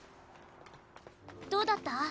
どうだった？